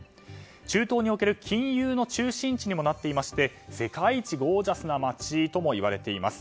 中東における金融の中心地にもなっていて世界一ゴージャスな街ともいわれています。